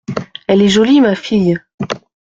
Elle est jolie, ma, fille !